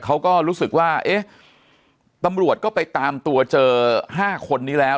เขาก็รู้สึกว่าเอ๊ะตำรวจก็ไปตามตัวเจอ๕คนนี้แล้ว